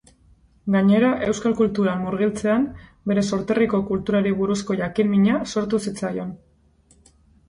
Gainera, euskal kulturan murgiltzean, bere sorterriko kulturari buruzko jakin-mina sortu zitzaion.